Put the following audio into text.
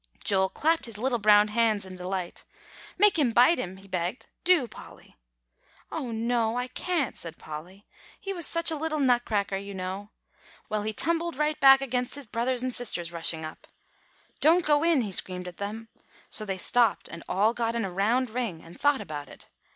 Joel clapped his little brown hands in delight. "Make him bite him," he begged; "do, Polly." "Oh, no, I can't!" said Polly; "he was such a little Nutcracker, you know. Well, he tumbled right back against his brothers and sisters rushing up. 'Don't go in,' he screamed at them. So they stopped, and all got in a round ring, and thought about it.